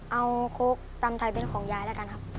เอาคกตำไทยเป็นของยายแล้วกันครับ